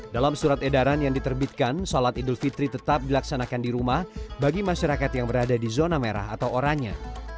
dalam surat edaran yang diterbitkan sholat idul fitri tetap dilaksanakan di rumah bagi masyarakat yang berada di zona merah atau oranye